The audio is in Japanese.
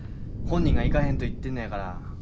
本人が行かへんと言ってんのやから。